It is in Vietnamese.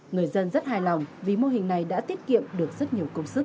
người dân rất hài lòng vì mô hình này đã tiết kiệm được rất nhiều công sức